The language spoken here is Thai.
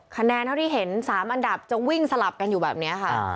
คะแนนเท่าที่เห็น๓อันดับจะวิ่งสลับกันอยู่แบบนี้ค่ะ